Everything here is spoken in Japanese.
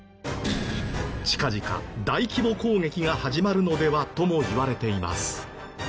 近々大規模攻撃が始まるのでは？ともいわれています。